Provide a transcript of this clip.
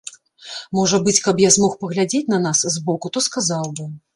Можа быць, каб я змог паглядзець на нас з боку, то сказаў бы.